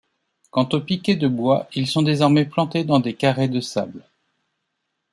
Quant aux piquets de bois, ils sont désormais plantés dans des carrés de sable.